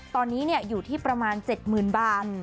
ตอนนี้อยู่ที่ประมาณ๗๐๐๐บาท